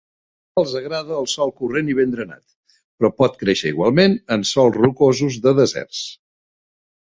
Els agrada el sòl corrent i ben drenat, però pot créixer igualment en sòls rocosos de deserts.